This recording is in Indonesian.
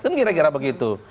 kan kira kira begitu